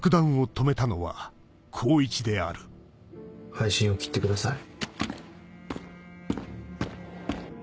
配信を切ってください。